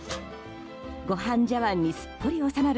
ご飯茶碗にすっぽり収まる